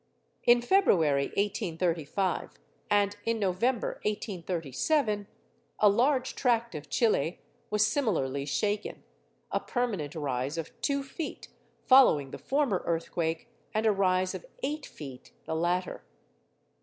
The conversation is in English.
In February 1835, and in November 1837, a large tract of Chili was similarly shaken, a permanent rise of two feet following the former earthquake, and a rise of eight feet the latter.